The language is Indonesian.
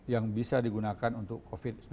yang bisa digunakan untuk covid sembilan belas